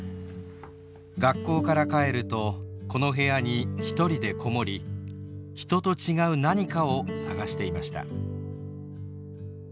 学校から帰るとこの部屋に一人で籠もり「人と違う何か」を探していました。